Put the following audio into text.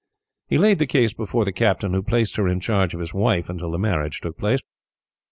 He laid the case before the captain, who placed her in charge of his wife, until the marriage took place.